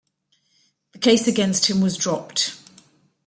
The case against him was dropped.